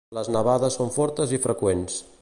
Les nevades són fortes i freqüents.